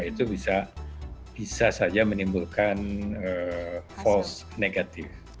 itu bisa saja menimbulkan false negatif